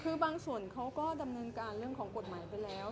คือบางส่วนเขาก็ดำเนินการเรื่องของกฎหมายไปแล้ว